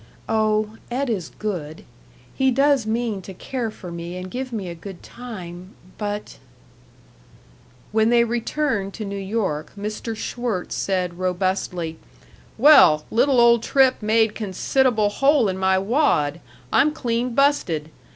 Oh, Ed is good; he does mean to care for me and give me a good time, but " When they returned to New York, Mr. Schwirtz said, robustly: "Well, little old trip made consid'able hole in my wad. I'm clean busted.